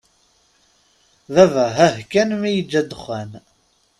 Baba hah kan mi yeǧǧa ddexxan.